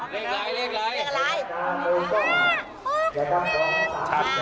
การเลขอลายเว้ง